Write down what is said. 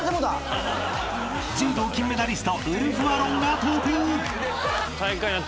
［柔道金メダリストウルフアロンが登校］